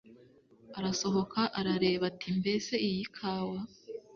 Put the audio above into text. arasohoka arareba ati mbese iyi kawa